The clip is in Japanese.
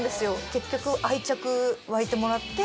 結局愛着湧いてもらって。